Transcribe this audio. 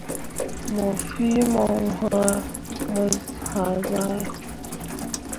Me fii mo hãã mo hazahe.